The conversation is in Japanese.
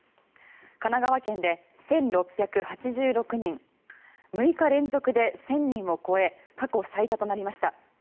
神奈川県で１６８６人６日連続で１０００人を超え過去最多となりました。